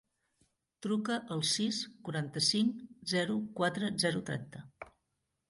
Truca al sis, quaranta-cinc, zero, quatre, zero, trenta.